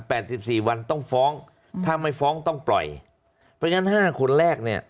สิบสี่วันต้องฟ้องถ้าไม่ฟ้องต้องปล่อยเพราะฉะนั้นห้าคนแรกเนี่ย